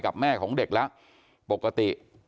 แม่ของเด็กแล้วปกติ